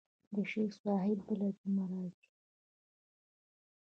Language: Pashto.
شيخ صاحب بله جمعه راځي.